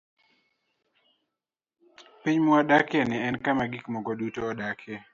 Piny mwadakieni en kama gik moko duto odakie.